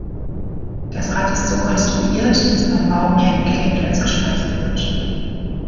Das Rad ist so konstruiert, dass beim Bau mehr geklebt als geschweißt wird.